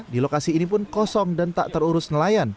di lokasi ini pun kosong dan tak terurus nelayan